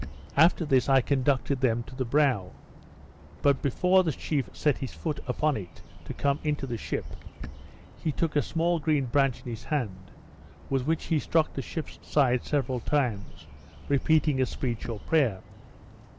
After this I conducted them to the brow; but before the chief set his foot upon it to come into the ship, he took a small green branch in his hand, with which he struck the ship's side several times, repeating a speech or prayer.